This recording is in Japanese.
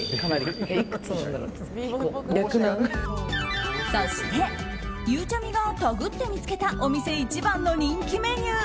そして、ゆうちゃみがタグって見つけたお店一番の人気メニュー。